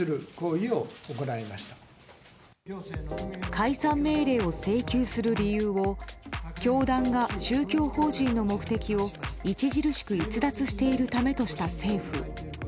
解散命令を請求する理由を教団が宗教法人の目的を著しく逸脱しているためとした政府。